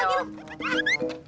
eh dateng lagi lu